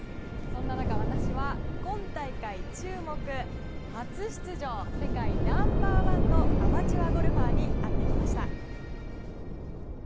そんな中、私は今大会注目初出場世界ナンバー１のアマチュアゴルファーに会ってきました。